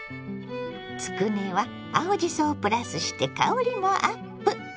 つくねは青じそをプラスして香りもアップ。